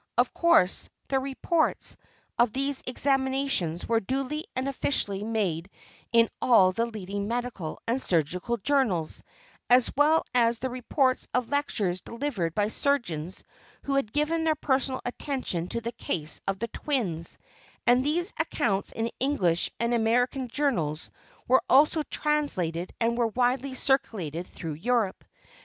Of course, the "Reports" of these examinations were duly and officially made in all the leading medical and surgical journals, as well as the reports of lectures delivered by surgeons who had given their personal attention to the case of the twins, and these accounts in English and American journals were also translated and were widely circulated throughout Europe.